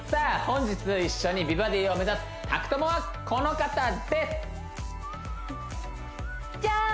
本日一緒に美バディを目指す宅トモはこの方ですじゃーん！